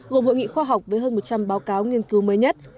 gồm hội nghị khoa học với hơn một trăm linh báo cáo nghiên cứu mới nhất